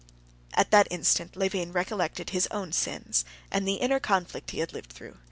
At that instant Levin recollected his own sins and the inner conflict he had lived through.